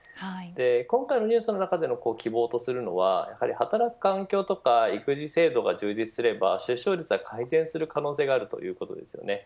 今回のニュースの中での希望とするのは働く環境とか育児制度が充実すれば出生率は改善する可能性があるということです。